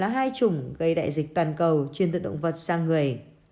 hai trùng gây đại dịch toàn cầu chuyên tựa động vật sang người